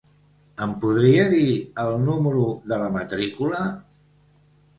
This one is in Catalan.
Em podria dir el número de la matrícula?